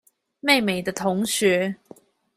妹妹的同學